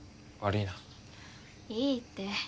いいって。